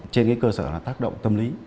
trên cái cơ sở là tác động tâm lý